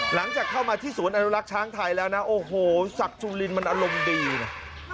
หลังจากเข้ามาที่ศูนย์อนุรักษ์ช้างไทยแล้วนะโอ้โหศักดิ์จุลินมันอารมณ์ดีนะ